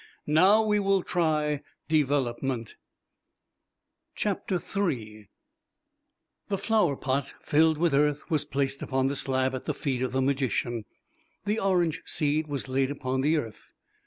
Now we will try development." III The flower pot filled with earth was placed upon the slab at the feet of the magician. The orange seed was laid upon the earth.